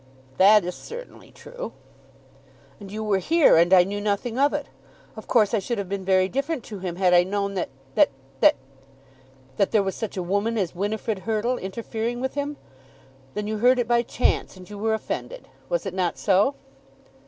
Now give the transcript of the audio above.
"That certainly is true." "And you were here, and I knew nothing of it. Of course I should have been very different to him had I known that, that, that " "That there was such a woman as Winifrid Hurtle interfering with him. Then you heard it by chance, and you were offended. Was it not so?"